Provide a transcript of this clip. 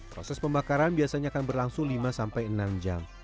proses pembakaran biasanya akan berlangsung lima sampai enam jam